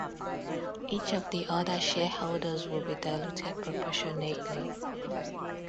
Each of the other shareholders will be diluted proportionately.